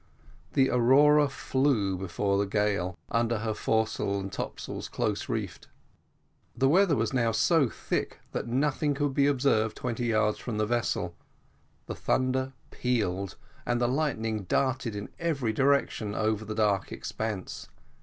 And the Aurora flew before the gale, under her foresail and topsails close reefed. The weather was now so thick that nothing could be observed twenty yards from the vessel; the thunder pealed, and the lightning darted in every direction over the dark expanse.